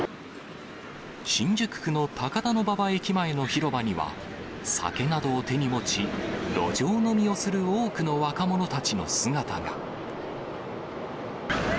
新宿区の高田馬場駅前の広場には、酒などを手に持ち、路上飲みをする多くの若者たちの姿が。